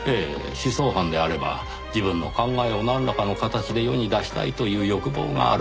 思想犯であれば自分の考えをなんらかの形で世に出したいという欲望があるはずです。